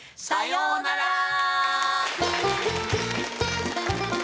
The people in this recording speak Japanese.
さようなら！